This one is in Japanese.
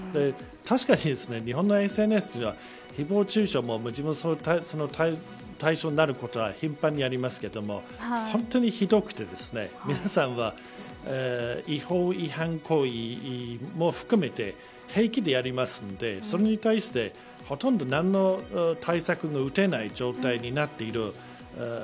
確かに、日本のＳＮＳはひぼう中傷も自分もその対象になることは頻繁にありますが本当にひどくて、皆さんは違法、違反行為も含めて平気でやりますのでそれに対してほとんど何の対策も打てない状態になっている。